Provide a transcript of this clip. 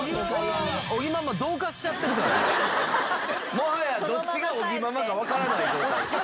もはやどっちが尾木ママかわからない状態。